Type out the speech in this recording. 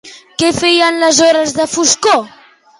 Què feia en les hores de foscor?